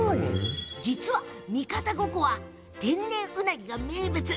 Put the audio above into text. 実は、三方五湖では天然ウナギが名物。